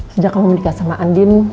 sejak kamu menikah sama andin